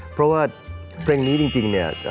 เพราะว่าเพลงนี้จริงเนี่ย